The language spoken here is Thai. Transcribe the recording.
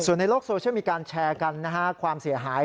ส่วนในโลกโซเชียลมีการแชร์กันความเสียหาย